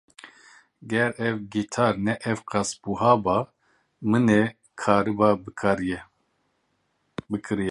Ger ew gîtar ne ew qas buha ba, min ê karîba bikiriya.